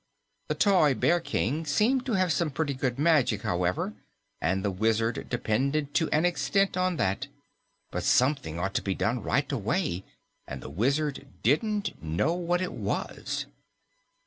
The toy Bear King seemed to have some pretty good magic, however, and the Wizard depended to an extent on that. But something ought to be done right away, and the Wizard didn't know what it was.